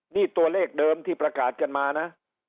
นี่ตัวเลขเดิมที่ประกาศกันมานะ